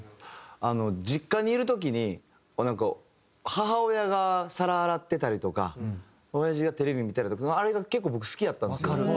実家にいる時になんか母親が皿洗ってたりとかおやじがテレビ見たりあれが結構僕好きやったんですよ。